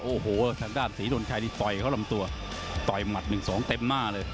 โอ้โหทางด้านศรีดนชัยนี่ต่อยเขาลำตัวต่อยหมัดหนึ่งสองเต็มหน้าเลย